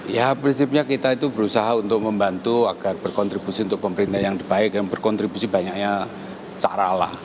ya prinsipnya kita itu berusaha untuk membantu agar berkontribusi untuk pemerintah yang baik dan berkontribusi banyaknya cara lah